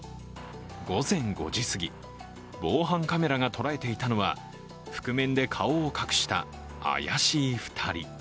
午前５時すぎ防犯カメラが捉えていたのは覆面で顔を隠した怪しい２人。